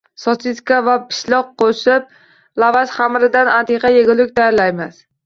Sosiska va pishloq qo‘shib, lavash xamiridan antiqa yegulik tayyorlaymiz